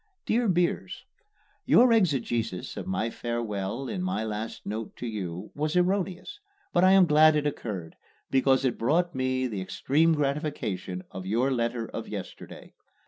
DEAR BEERS: Your exegesis of my farewell in my last note to you was erroneous, but I am glad it occurred, because it brought me the extreme gratification of your letter of yesterday.